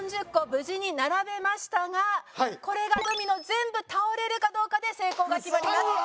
無事に並べましたがこれがドミノ全部倒れるかどうかで成功が決まります。